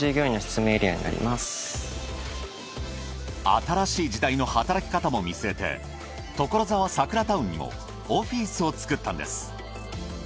新しい時代の働き方も見据えてところざわサクラタウンにもオフィスを作ったんです。